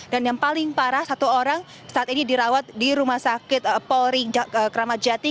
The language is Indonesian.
dan yang paling parah satu orang saat ini dirawat di rumah sakit polri kramadjati